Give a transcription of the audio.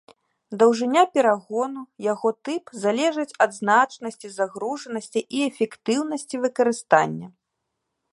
Даўжыня перагону, яго тып залежыць ад значнасці, загружанасці і эфектыўнасці выкарыстання.